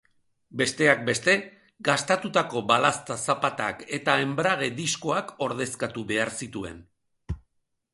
Besteak beste, gastatutako balazta-zapatak eta enbrage-diskoak ordezkatu behar zituen.